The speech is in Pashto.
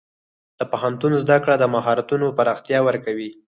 د پوهنتون زده کړه د مهارتونو پراختیا ورکوي.